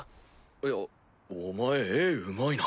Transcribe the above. イヤお前絵うまいな。